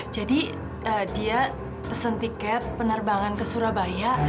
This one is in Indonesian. jadi dia pesen tiket penerbangan ke surabaya